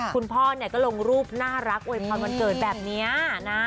คุณพ่อเนี่ยก็ลงรูปน่ารักอวยพรวันเกิดแบบนี้นะ